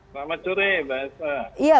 selamat sore mbak